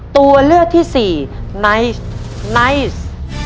ตัวเลือกที่สี่ไนท์ไนท์